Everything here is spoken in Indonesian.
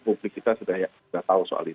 publik kita sudah tahu soal itu